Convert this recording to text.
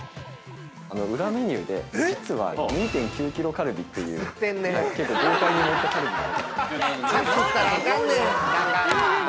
◆裏メニューで実は、２．９キロカルビという結構豪快に盛ったカルビが。